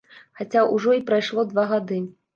Хаця ўжо і прайшло два гады.